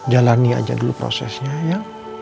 jalani aja dulu prosesnya ya